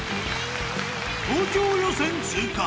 東京予選通過